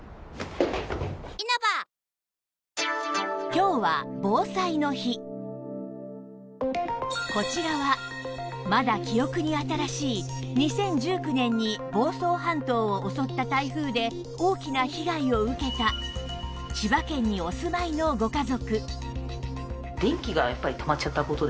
今日はこちらはまだ記憶に新しい２０１９年に房総半島を襲った台風で大きな被害を受けた千葉県にお住まいのご家族９日間？